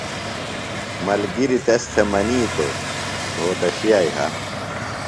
ملگِریۡ تس تھے منِیتوۡ روھوتشیہ یھہ۔